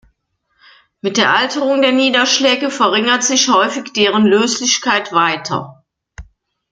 Mit der Alterung der Niederschläge verringert sich häufig deren Löslichkeit weiter.